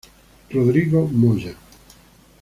Rodrigo Moya.